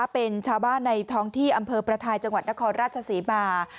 เป็นชาวบ้านในท้องที่อำเภอประทายจังหวัดนครราชศรีมา